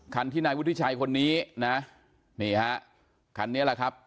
คันที่นายวุฒิชัยคนนี้นะนี่ฮะคันนี้แหละครับ